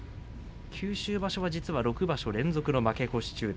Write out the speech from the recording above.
九州場所、実は６場所連続の負け越し中。